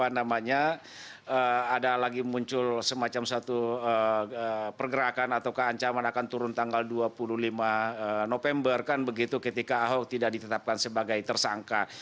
ada lagi muncul semacam satu pergerakan atau keancaman akan turun tanggal dua puluh lima november kan begitu ketika ahok tidak ditetapkan sebagai tersangka